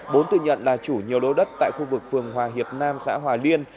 bốn tự nhận là chủ nhiều lô đất tại khu vực phường hòa hiệp nam xã hòa liên